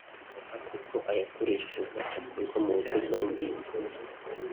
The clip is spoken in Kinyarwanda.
kuko ayakoreshwaga akorwa mu buryo bwangiza